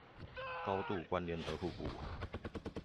高度關聯和互補